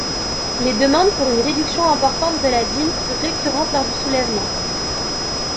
Les demandes pour une réduction importante de la dîme furent récurrentes lors du soulèvement.